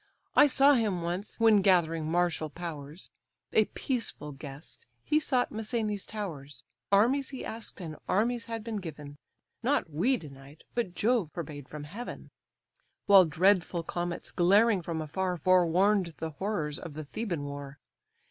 I saw him once, when gathering martial powers, A peaceful guest, he sought Mycenæ's towers; Armies he ask'd, and armies had been given, Not we denied, but Jove forbade from heaven; While dreadful comets glaring from afar, Forewarn'd the horrors of the Theban war.